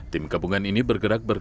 tim kabungan ini bergerak berkendara